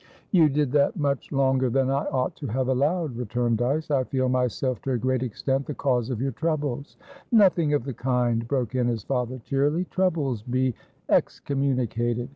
"You did that much longer than I ought to have allowed," returned Dyce. "I feel myself to a great extent the cause of your troubles" "Nothing of the kind," broke in his father, cheerily. "Troubles beexcommunicated!